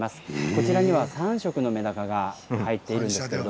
こちらには３色のめだかが入っています。